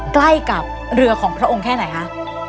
ใกล้กับเรือของพระองค์แค่ไหนคะ